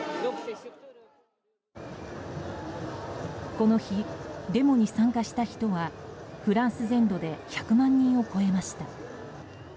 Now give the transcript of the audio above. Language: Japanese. この日、デモに参加した人はフランス全土で１００万人を超えました。